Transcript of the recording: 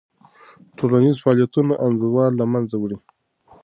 ټولنیز فعالیتونه انزوا له منځه وړي.